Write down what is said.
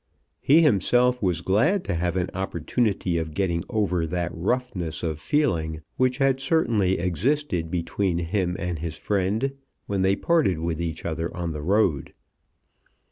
He himself was glad to have an opportunity of getting over that roughness of feeling which had certainly existed between him and his friend when they parted with each other on the road.